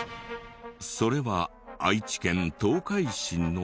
それは愛知県東海市の。